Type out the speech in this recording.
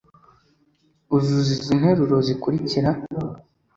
uzuza izi interuro zikurikira